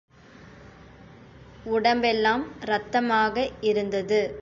உடம்பெல்லாம் இரத்தமாக இருந்தது.